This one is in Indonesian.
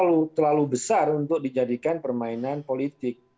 atau yang terlalu besar untuk dijadikan permainan politik